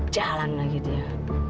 jalan lagi dia